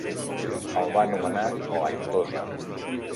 El va anomenar "lactosa".